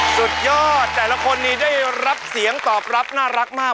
สุดยอดแต่ละคนนี้ได้รับเสียงตอบรับน่ารักมาก